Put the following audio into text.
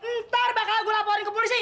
ntar bakal gue laporin ke polisi